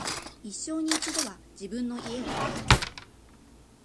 一生に一度は自分の家を買え